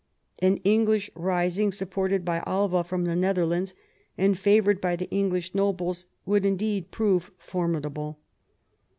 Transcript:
An English rising, supported by Alva from the Netherlands, and favoured by the English nobles, would indeed prove formidable.